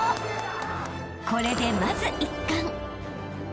［これでまず１冠］